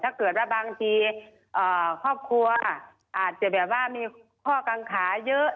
ถ้าเกิดว่าบางทีครอบครัวอาจจะแบบว่ามีข้อกังขาเยอะ